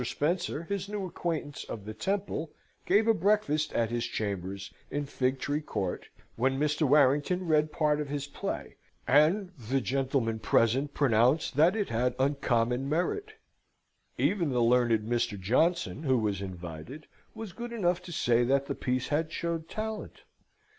Spencer, his new acquaintance, of the Temple, gave a breakfast at his chambers in Fig Tree Court, when Mr. Warrington read part of his play, and the gentlemen present pronounced that it had uncommon merit. Even the learned Mr. Johnson, who was invited, was good enough to say that the piece had showed talent.